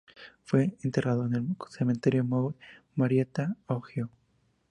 Fue enterrado en el cementerio de Mound, Marietta, Ohio.